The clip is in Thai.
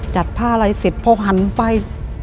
จัดผ้าอะไรเสร็จพอหันไป